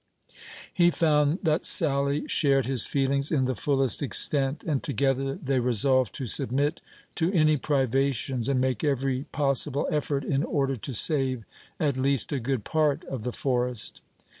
He found that Sally shared his feelings in the fullest extent, and together they resolved to submit to any privations, and make every possible effort in order to save, at least, a good part of the forest.